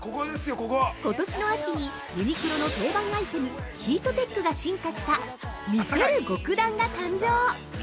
ことしの秋にユニクロの定番アイテムヒートテックが進化した「見せる極暖」が誕生！